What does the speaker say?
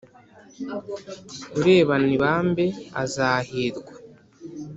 urebana ibambe azahirwa